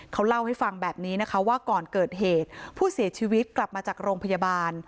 เขาเล่าให้ฟังแบบนี้นะคะว่าก่อนเกิดเหตุผู้เสียชีวิตกลับมาจากโรงพยาบาล